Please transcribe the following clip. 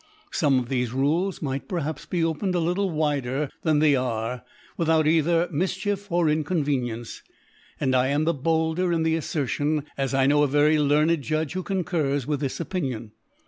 Some of thefe Rules might per haps be opened a little wider than they are, without either Mifchief or Inconvenience \ and I am the bolder m the Afleriion, as I know a very learned Judge who concurs with this Opinion.